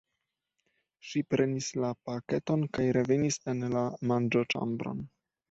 Ŝi prenis la paketon kaj revenis en la manĝoĉambron.